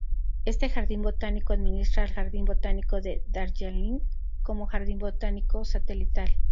Este jardín botánico administra al Jardín Botánico de Darjeeling, como jardín botánico satelital.